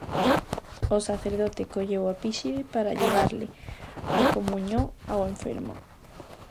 O sacerdote colleu a píxide para levarlle a comuñón a un enfermo.